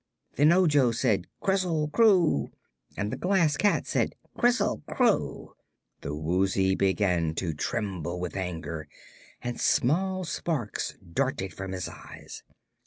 Then Ojo said "Krizzle Kroo!" and the Glass Cat said "Krizzle Kroo!" The Woozy began to tremble with anger and small sparks darted from his eyes.